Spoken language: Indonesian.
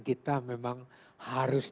kita memang harus